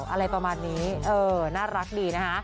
อะไรประมาณนี้เออน่ารักดีนะคะ